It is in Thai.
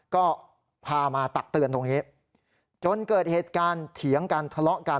ก็พามาตักเตือนตรงนี้จนเกิดเหตุการณ์เถียงกันทะเลาะกัน